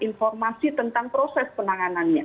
informasi tentang proses penanganannya